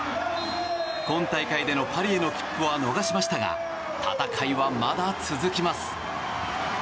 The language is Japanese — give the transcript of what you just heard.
今大会でのパリへの切符は逃しましたが戦いはまだ続きます。